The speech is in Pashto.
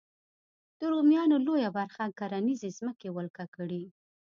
د رومیانو لویه برخه کرنیزې ځمکې ولکه کړې.